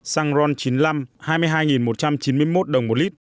xăng ron chín mươi năm hai mươi hai một trăm chín mươi một đồng một lít